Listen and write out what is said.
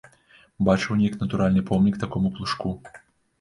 Бачыў неяк натуральны помнік такому плужку.